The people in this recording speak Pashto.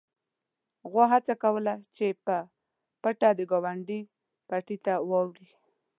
غوا هڅه کوله چې په پټه د ګاونډي پټي ته واوړي.